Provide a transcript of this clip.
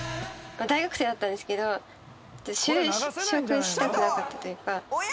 大学生だったんですけど、就職したくなかったというか。